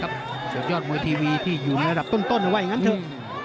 ยอดมวยทีวีที่อยู่ในระดับต้นว่าอย่างนั้นเถอะ